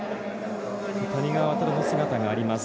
谷川航の姿がありました。